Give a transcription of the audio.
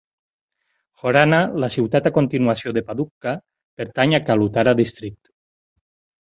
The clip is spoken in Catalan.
Horana, la ciutat a continuació de Padukka, pertany a Kalutara District.